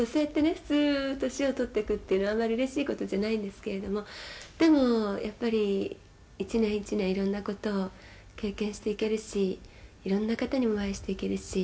普通年を取っていくっていうのはあんまりうれしい事じゃないんですけれどもでもやっぱり一年一年いろんな事を経験していけるしいろんな方にもお会いしていけるし」